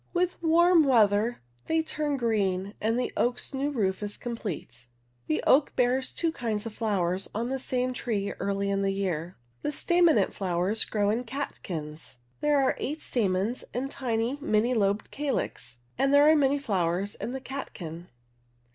With warm weather they turn green, and the oak's new roof is complete. The oak bears two kinds of flow ers on the same tree early in the year. The staminate flowers grow in catkins (Fig. i, a). There are eight stamens in a tiny, many lobed calyx (Fig. 2) and there are many ' flowers in the catkin.